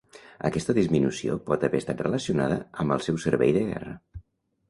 Aquesta disminució pot haver estat relacionada amb el seu servei de guerra.